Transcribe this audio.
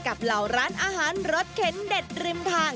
เหล่าร้านอาหารรสเข็นเด็ดริมทาง